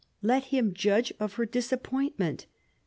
Let him judge of her disappointment.